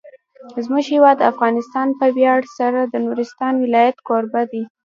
زموږ هیواد افغانستان په ویاړ سره د نورستان ولایت کوربه دی.